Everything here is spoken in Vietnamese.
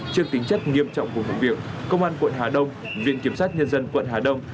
trước tính chất nghiêm trọng của vụ việc công an quận hà đông viện kiểm sát nhân dân quận hà đông